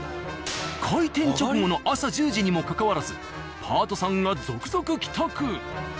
開店直後の朝１０時にもかかわらずパートさんが続々帰宅！